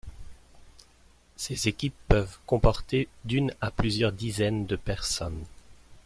Ces équipes peuvent comporter d’une à plusieurs dizaines de personnes.